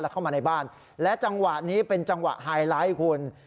เข้ามาในบ้านและจังหวะนี้เป็นจังหวะไฮไลท์คุณ